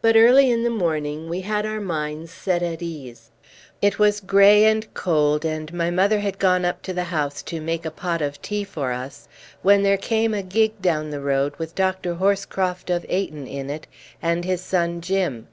But early in the morning we had our minds set at ease. It was grey and cold, and my mother had gone up to the house to make a pot of tea for us, when there came a gig down the road with Dr. Horscroft of Ayton in it and his son Jim.